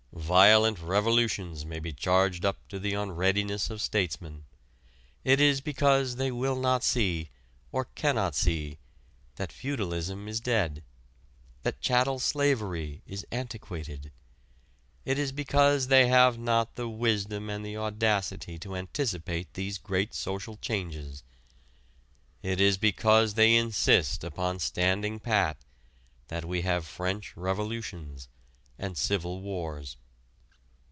Violent revolutions may be charged up to the unreadiness of statesmen. It is because they will not see, or cannot see, that feudalism is dead, that chattel slavery is antiquated; it is because they have not the wisdom and the audacity to anticipate these great social changes; it is because they insist upon standing pat that we have French Revolutions and Civil Wars.